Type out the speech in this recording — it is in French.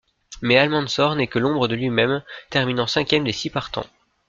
Mais Almanzor n'est que l'ombre de lui-même, terminant cinquième des six partants.